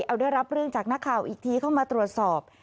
เอาได้รับเรื่องจากนักข่าวอีกทีเข้ามาตรวจสอบ